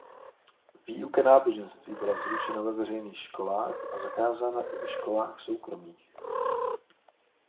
Výuka náboženství byla zrušena ve veřejných školách a zakázána i ve školách soukromých.